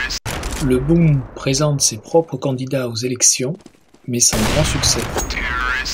Le Bund présente ses propres candidats aux élections, mais sans grand succès.